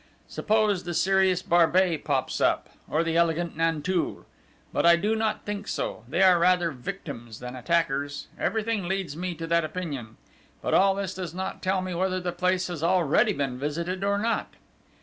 Suppose the serious Barbey pops up? Or the elegant Nanteuil? But I do not think so they are rather victims than attackers everything leads me to that opinion. But all this does not tell me whether the place has already been visited or not!"